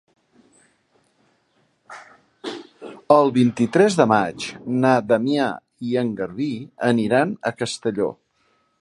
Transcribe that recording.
El vint-i-tres de maig na Damià i en Garbí aniran a Castelló.